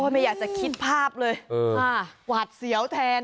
ไม่อยากจะคิดภาพเลยหวาดเสียวแทน